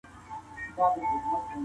ما قلمونه کارولي دي.